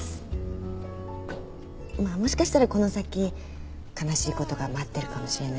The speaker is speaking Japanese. まあもしかしたらこの先悲しいことが待ってるかもしれないけど。